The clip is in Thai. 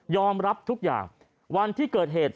รับทุกอย่างวันที่เกิดเหตุ